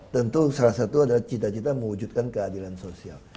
tentu salah satu adalah cita cita mewujudkan keadilan sosial